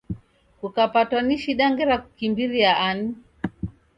Kukapatwa ni shida ngera kukimbiria ani